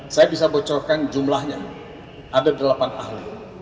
saya bisa bocorkan jumlahnya ada delapan ahli